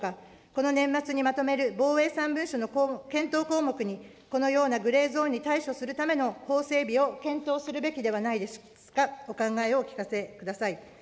この年末にまとめる防衛三文書の検討項目に、このようなグレーゾーンに対処するための法整備を検討するべきではないですか、お考えをお聞かせください。